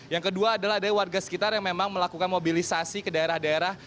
yang kedua adalah ada warga sekitar yang memang melakukan mobilisasi ke daerah daerah